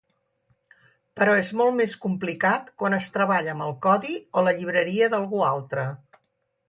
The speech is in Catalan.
Però és molt més complicat quan es treballa amb el codi o la llibreria d'algú altre.